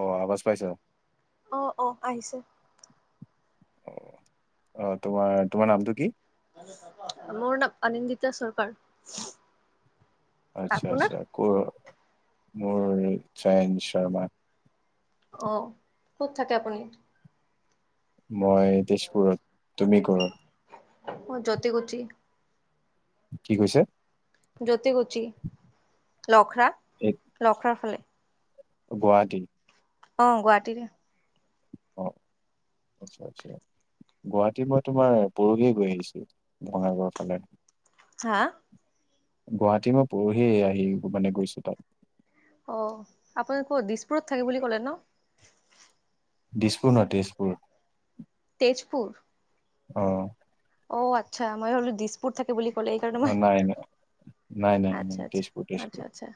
অ আৱাজ পাইছ অ অ আহিছে। অ অহ তোমাৰ তোমাৰ নামটো কি? মোৰ নাম অনন্দিতা চৰকাৰ। আচ্ছা আপোনাৰ? আচ্ছা কোৰ মোৰ চাইন শৰ্মা। অহ ক'ত থাকে আপুনি? মই তেজপুৰত তুমি কৰত মই যতি গুতি। কি কৈছে? যতি গুতি লখৰা এই লখৰা ফালে। গুৱাহাটী। অ গুৱাহাটীৰে। অ আচ্ছা আচ্ছা। গুৱাহাটীত মই তোমাৰ পৰহিয়ে গৈ আহিছো ভঙাগৰ ফালে। হা। গুৱাহাটী মই পৰহিয়ে আহি মানে গৈছো তাত। অ আপোনাৰ ক'ত দিছপুৰত থাকে বুলি ক'লে ন। দিছপুৰ নহয় তেজপুৰ। তেজপুৰ। অ। অ আচ্ছা মই হ'লো দিছপুৰ থাকে বুলি। ক'লে এই অ, মই নাই নাই নাই নাই নাই আচ্ছা, তেজপুৰ আচ্ছা, তেজপুৰ আচ্ছা, আচ্ছা।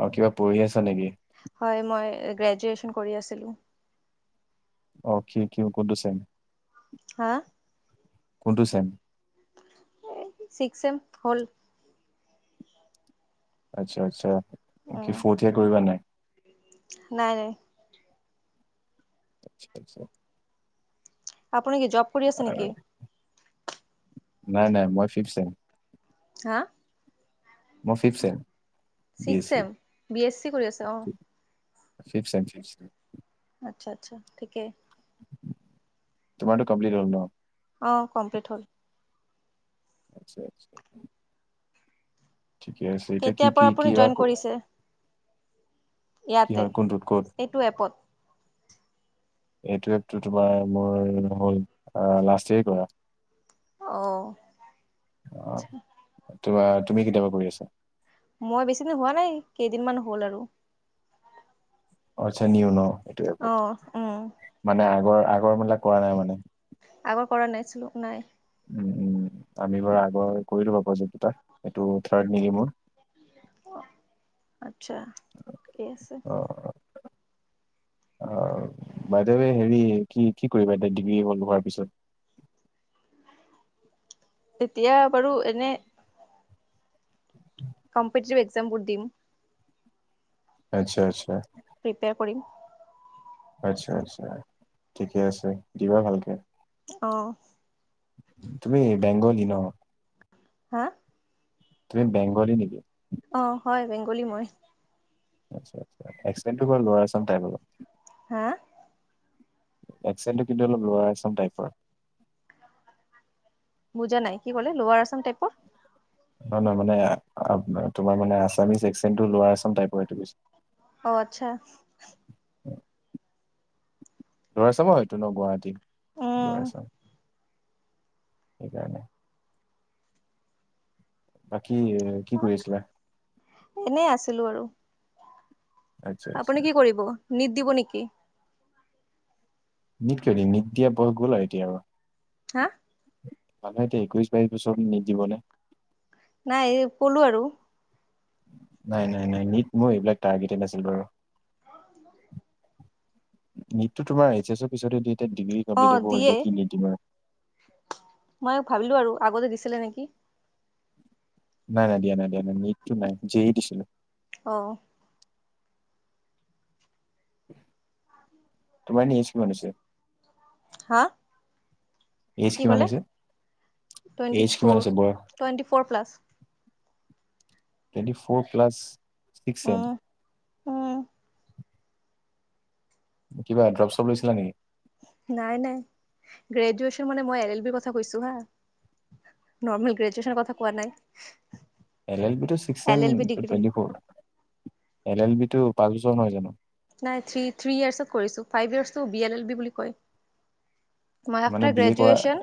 অ কিবা পঢ়ি আছা নেকি হয় মই গ্ৰেজুৱেচন কৰি আছিলো। অক কি কিউ কোনটো চেম। হা। কোনটো চেম? চিক্স চেম হ'ল। আচ্ছা আচ্ছা কি উম, ফোৰ্থ য়েযেৰ কৰিবা নাই? নাই নাই। আচ্ছা আচ্ছা। আপুনি কি জব কৰি আছে নেকি? নাই নাই মই ফিভ ছেম। হা। মই fifth sem. Six sem B S C কৰি আছে অ। ছিক্স ছেম ছিক্স ছেম আচ্ছা আচ্ছা ঠিকেই। তোমাৰ তো কমপ্লিট হল ন। অ কমপ্লিট হ'ল। আচ্ছা আচ্ছা। ঠিকে আছে এতিয়া কি কেতিয়াৰ পৰা কি আপুনি কি ৰা জইন ক কৰিছে কি ইয়াতে হ'ল কোনটোত ক'ত এইটো এপত। এইটো এপটো তোমাৰ মোৰ হ'ল লাষ্ট ইয়েৰ কৰা। অ। তোমা তুমি কেতিয়া পৰা কৰি আছা? মই বেছিদিন হোৱা নাই কেইদিনমান হ'ল আৰু। আচ্ছা নিউ ন। অহ উম। গৰ আগৰ মিলাক কৰা নাই মানে। আগৰ কৰা নাইছিলো নাই। উম উম আমি বাৰু আগৰ কৰিলো বা প্ৰজেক এইটো থাৰ্ড নেকি মোৰ। আচ্ছা ঠিক আছে। [inaudible] অ বাইদাৱে হেৰি কি কি কৰিবা ডিগ্ৰী হল হোৱাৰ পিছত। [inaudible] এতিয়া বাৰু এনে কম্পিটিভ একজামবোৰ দিম। আচ্ছা আচ্ছা। প্ৰিপেয়াৰ কৰিম। আচ্ছা আচ্ছা ঠিকে আছে দিবা ভালকে। অহ। তুমি বেংগলী ন। হা। তুমি বেংগলী নেকি? অ হয় বেংগলী মই। আত্চ্ছা আত্চ্ছা একচেনটো বা লৌৱা আছাম টাইপ। হা। একচেনটো কিন্তু অলপ লোৱাৰ আচাম টাইপৰ। বুজা নাই কি, কলে‌ লোৱাৰ আছাম টাইপৰ? নয়, নয়, মানে তোমাৰ মানে আছামিছ একচেনটো লোৱাৰ আছাম টাইপৰ সেইটো কৈছোঁ। অ, আচ্ছা। লয়াৰ আছাম হইটো ন, গুৱাহাটী উম লয়াৰ আছাম। সেইকাৰণে। বাকী এ, কি কৰি আছিলা এনেই আছিলো আৰু আচ্ছা আচ্ছা আপুনি কি কৰিব নিট দিব নেকি? নিত কিয় দিম নিত দিয়া বয়স গ'ল আৰু এতিয়া আও হা মানে এতিয়া একৈশ বাইশ বছৰ নিত দিবনে? নাই, এই কলো আৰু নাই-নাই- নাই নীট মোৰ এইবিলাক টাৰ্গেটেড নাছিল বাৰু। নিটটো তোমাৰ এইচ এছৰ পিছতেদি এটা ডিগ্ৰী অ কমপ্লিট হ'ব হ'ল, দিয়ে এতিয়া কি নিট দিম আৰু মই ভাবিলো আৰু আগতে দিছিলে নেকি? নাই -নাই দিয়া নাই, দিয়া নাই, নিটটো নাই যেই দিছিলো। অহ। তোমাৰ এইজ কিমান হৈছে? হা। এইজ কি কিমান ক'লে হৈছে, টুৱেণ্টি এইজ কিমান ফ'ৰ হৈছে বয়স? Twenty four plus twenty four plus, six sem. Um um কিবা ড্ৰপ-ছপ লৈছিলা নেকি? নাই, নাই গ্ৰেজুৱেচন মানে মই এল এল বিৰ কথা কৈছো হা নৰ্মেল গ্ৰেজুৱচনৰ কথা কোৱা নাই। এল এল বি টো six L same L B degree twenty four L L B টো পাঁচ বছৰ নহয় জানো? নাই থ্ৰী -থ্ৰী ইয়াৰ্চটো কৰিছো ফাইভ ইয়াৰ্চটো বি এল এল বি বুলি কয়। মাই মানে আফ্টাৰ বি এ কৰা graduation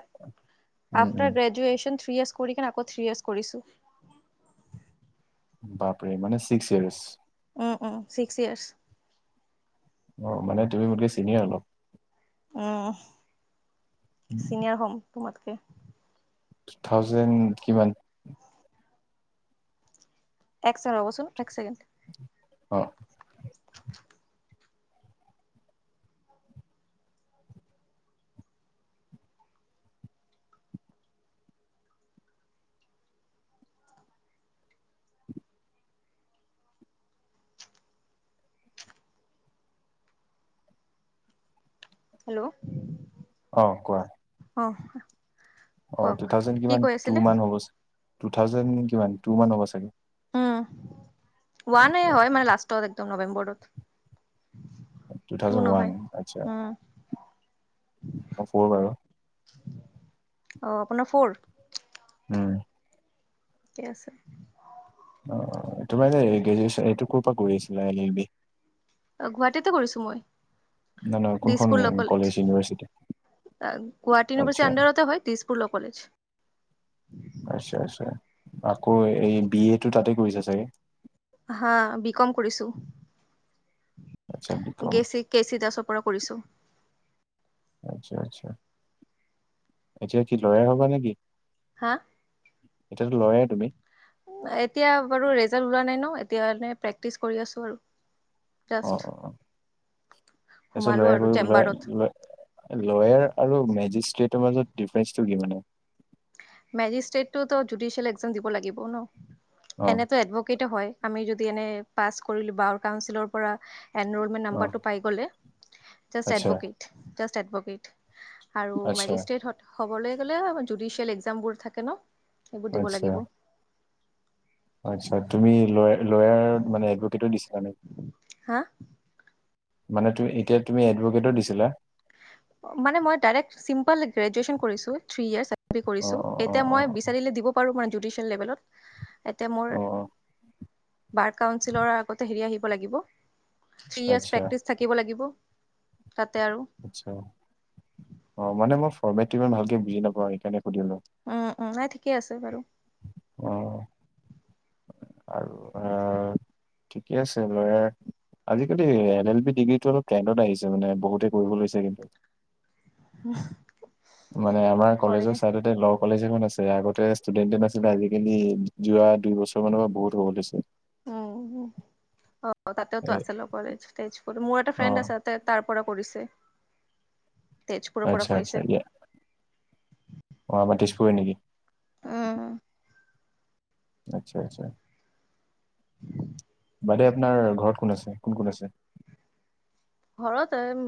um um after graduations three years কৰি কিনে আকৌ থ্ৰী ইয়েৰ্চ কৰিছো। বাপৰে মানে six years um, um six years অ, মানে তুমি মোতকে চিনিয়ৰ অলপ উম, চিনিয়াৰ হ'ম তোমাতকে। টু থাউজেণ্ড কিমান? এক চেকেণ্ড ৰব চোন একচেকেণ্ড। অ। হেল্ল'। অহ কোৱা। অঁহ। অ, টু থাউজেন কিমান টু মান হ'ব চাগে- টু থাউজেন কিমান টু মান হ'ব চাগে। উম, হোৱা নাই, আচ্ছা এ হয় আচ্ছা। মানে লাষ্টত একদম নৱেম্বৰত। টু তু থাউজেণ্ড ওৱান নহয়, আচ্ছা উম। মই ফ'ৰ বাৰু অ আপোনাৰ ফৰ। উম। ঠিকে আছে অ তোমাৰ এ গ্ৰেজুৱেচন এইটো ক'ৰ পৰা কৰি আছিলা এল, এল বি? অ, গুৱাহাটীতে কৰিছো মই। নাই -নাই কোনখন Dispur law college university? Guwahati ইউনিভাৰ্চিটোৰ আচ্ছা, আণ্ডাৰতে হয়, দিছপুৰ ল কলেজ। আচ্ছা, আচছা আকৌ এই বি এটো তাতে কৰিছা চাগে? হা, বি কম কৰিছো। আচ্ছা বি কম, গেচি কেচি দাছৰ পৰা কৰিছোঁ। আচ্ছা, আচ্ছা। এতিয়া কি লয়াৰ হ'বা নে কি? হা এতিয়াটো লয়াৰ তুমি? এতিয়া বাৰু ৰেজাল্ট ওলোৱা নাই ন। এতিয়া এনে প্ৰেক্টিচ কৰি আছো আৰু। জাষ্ট অ-অ-অ। তাৰপিছত সোমালো লয়াৰ আৰু কৰিব চেম্বাৰত লয়াৰ-ল-লয়াৰ আৰু মেজিষ্ট সিহঁতৰ মাজত ডিফাৰেন্সটো কি মানে? মেজিষ্ট্ৰেটটো টো জুডিচিয়েল এক্সাম দিব লাগিব ন। অ', এনেটো এডভকেটো হয়। আমি যদি এনে পাছ কৰিলো বা কাউনচিলৰ পৰা এনৰলমেণ্ট অ', নম্বৰটো পাই গলে জাষ্ট আচ্ছা, এডভোকেট, জাষ্ট এডভোকেট। আৰু আচ্ছা, মেজিষ্ট্ৰেট হ হ'বলৈ গ'লে জুডিচিয়েল এক্সাম বোৰ থাকে ন? সেইবোৰ দিব লাগিব। অ, আচ্ছা তুমি লয় লয়াৰ মানে এডভকেটো দিছা? হা? মানে এতিয়া তুমি এডভকেটো দিছিলা? মানে মই ডাইৰেক্ট চিম্পল গ্ৰেজুৱেচন কৰিছো, থ্ৰী ইয়াৰছ। [unintelligible] কৰিছো, অ', অ', অ', এতিয়া মই অ', বিচাৰিলে দিব পাৰো মানে জুডিচিয়েল লেভেলত। এতিয়া মোৰ অ', অ। বাৰ কাউঞ্চিলৰ আগতে হেৰি আহিব লাগিব। থ্ৰী ইয়াৰ্ছ আচ্ছা। প্ৰেক্টিচ থাকিব লাগিব। তাতে আৰু আচ্ছা অ, মানে মই ফৰ্মেটটো ইমান ভালকে বুজি নাপাওঁ সেইকাৰণে সুধিলো উম, উম। নাই ঠিকেই আছে বাৰু। অ আৰু আ ঠিকে আছে। ল'ৰা আজি-কালি এল এল বি ডিগ্ৰীটো অলপ টেন্দ্ৰত আহিছে মানে। বহুতে কৰিব লৈছে কিন্তু। মানে আমাৰ কৰে কলেজৰ চাইডতে ল কলেজ এখন আ আছে আগতে ষ্টুডেন্টে নাছিলে। আজি-কালি যোৱা দুই বছৰ মানৰ পৰা বহুত হয় গৈছে। উম অ তাতেটো এ আছে লগৰ [unintelligible] তেজ মোৰ এটা অ ফ্ৰেণ্ড আছে। তাই তাৰ পৰা কৰিছে। তেজপুৰৰ পৰা আচ্ছা, আচ্ছা কৰিছে। দিয়া। অ [unintelligible] হয় নেকি? আচ্ছা, আচ্ছা। বাইদেউ আপোনাৰ ঘৰত কোন আছে? কোন-কোন আছে? ঘৰতে এম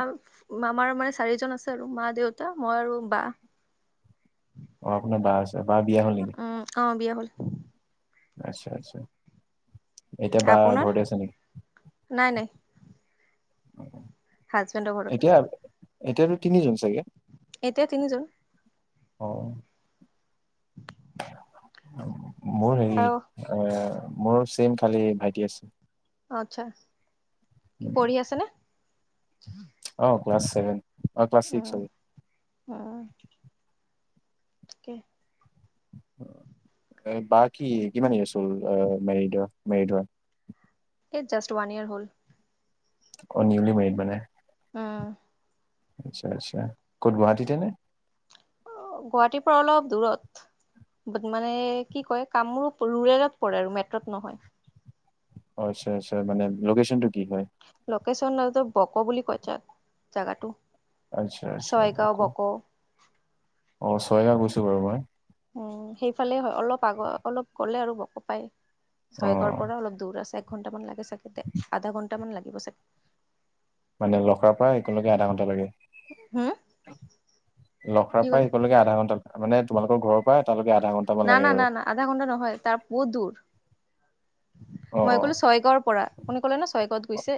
আম আমাৰ মানে চাৰিজন আছে আৰু মা, দেউতা, মই আৰু বা। অ, আপোনাৰ বা আছে। বা বিয়া হ'ল নেকি উম, অ বিয়া হ'ল। আচ্ছা, আচ্ছা। এতিয়া বা আপোনাৰ ঘৰতে আছে নেকি? নাই নাই হাজবেণ্ডৰ ঘৰত। এতিয়া এতিয়াতো তিনিজন চাগে? এতিয়া তিনিজন অ। মোৰ হেৰি আৰু আ মোৰ ছেম খালি ভাইটি আছে। অ আচ্ছা। কি পঢ়ি আছেনে? অ, ক্লাচ ছেভেন। অ ক্লাছ চিক্স উম, হয়। উম, তাকে। অ। এ বা কি কিমান ইয়েছ হ'ল মেৰিডৰ মেৰিড হোৱা? এ জাষ্ট ওৱান ইয়েৰ হ'ল। অ, নিউলি মেৰিড মানে। উম। আচ্ছা, আচ্ছা। ক'ত গুৱাহাটীতে নে? অ, গুৱাহাটীৰ পৰা অলপ দূৰত। বাট মানে কি কয় কামৰূপ ৰুৰেলত পৰে আৰু মেট্ৰত নহয়। অ, আচছা আচছা মানে লোকেচনটো লোকেচন ন বক' বুলি কৈ জাগ-জাগাটো। আচ্ছা আচ্ছা ছয়গাওঁ, বুকু। বক'। অ, ছয়গাওঁ গৈছো বাৰু মই। উম সেইফালে হয় অলপ আগ অলপ গ'লে আৰু বক' পায়। অ ছয়গাঁৱৰ পৰা অলপ দূৰ আছে। এক ঘন্টামান লাগে চাগে দে। আধা ঘন্টামান লাগিব চাগে। মানে লখৰা পৰা একেলকে আধা ঘণ্টা লাগে। হুম লখৰাৰ কি পৰা ক'লে এইকণলৈকে আধা ঘন্টা মানে তোমালোকৰ ঘৰৰ পৰা তালে না-না-না-না। আধা ঘণ্টা নহয় তাৰ বহুত দূৰ। অ মই ক'লো ছয়গাঁৱৰ পৰা। আপুনি ক'লে ন ছয়গাঁৱত গৈছে।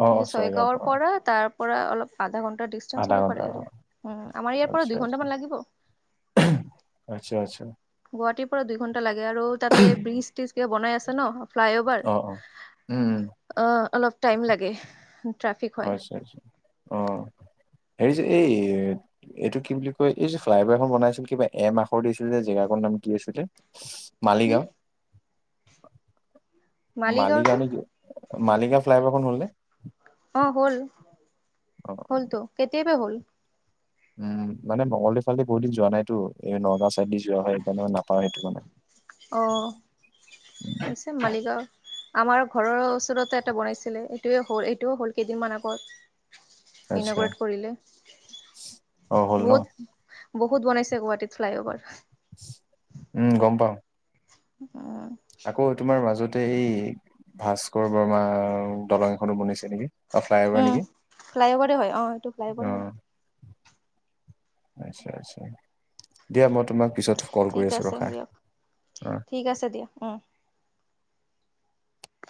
অ অ অ কৈছোঁ ছয়গাঁৱৰ পৰা তাৰ পৰা অলপ আধা ঘণ ডিচটেন্স আধা হব ঘণ্টা পাৰে আৰু অ আমাৰ ইয়াৰ পৰা আচ্ছা দুই আচ্ছা ঘন্টামান লাগিব। আচ্ছা, আচ্ছা। গুৱাহাটীৰ পৰা দুই ঘন্টা লাগে আৰু তাতে ব্ৰীজ- ট্ৰিজ কিবা বনাই আছে ন ফ্লাই অভাৰ। অ অ উম উম, অ অলপ টাইম লাগে। ট্ৰাফিক অ হয়। আচ্ছা, আচ্ছা। অ হেৰি যে এই এইটো কি বুলি কয়? এই যে ফ্লাই অভাৰ এখন বনাই আছিল, কিবা এম আখৰ দিছিল যে জেগাকণ নাম কি আছিলে? কি মালিগাওঁ? মালিগাওঁ নে কি? মালিগাওঁ ফ্লাইভাৰখন হ'লনে? অ হ'ল। অ হ'লতো কেতিয়াবাই হ'ল। উম মানে মঙলগৈ ফালেদি বহুত দিন যোৱা নাইতো। এই নগাঁও চাইদ দি যোৱা হয় সেইকাৰণে গমে নাপাওঁ সেইটো মানে। অ, হৈছে মালিগাওঁৰ আমাৰ ঘৰৰ ওচৰতে এটা বনাইছিলে। এইটোৱে হ'ল এইটোও হ'ল কেইদিনমান আগত। আচ্ছা ইনোগোৰেট কৰিলে। অ হ'ল ন বহুত বহুত বনাইছে গুৱাহাটীত ফ্লঅ'ভাৰ উম, গম পাও উম, আকৌ তোমাৰ মাজতে এই ভাস্কৰ বৰ্মা দলং এখনো বনিছে নেকি? অ ফ্লাই অভাৰ উম। নেকি? ফ্লাইঅভাৰে হয় অ' এইটো ফ্লাইঅভাৰে অ। হয় আচ্ছা, আচ্ছা। দিয়া মই তোমাক পিছত কল কৰি ঠিক আছো আছে ৰখা। দিয়ক হুম। ঠিক আছে দিয়া উম।